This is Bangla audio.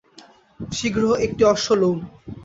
শীঘ্র একটি অশ্ব লউন।